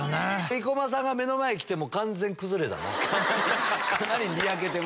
生駒さんが目の前に来て完全に崩れたな。